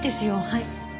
はい。